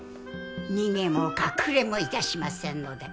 逃げも隠れもいたしませんので。